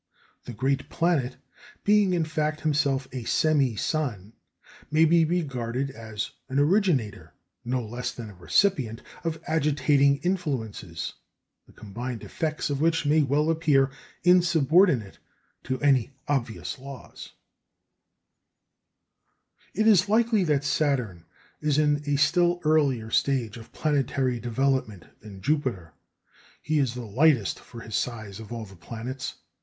The great planet, being in fact himself a "semi sun," may be regarded as an originator, no less than a recipient, of agitating influences, the combined effects of which may well appear insubordinate to any obvious law. It is likely that Saturn is in a still earlier stage of planetary development than Jupiter. He is the lightest for his size of all the planets.